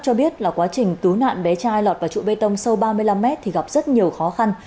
cho biết là quá trình cứu nạn bé trai lọt vào trụ bê tông sâu ba mươi năm mét thì gặp rất nhiều khó khăn